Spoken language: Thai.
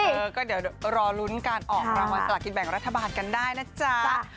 เออก็เดี๋ยวรอลุ้นการออกรางวัลสละกินแบ่งรัฐบาลกันได้นะจ๊ะ